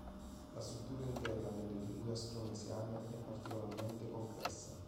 La struttura interna delle lingue austronesiane è particolarmente complessa.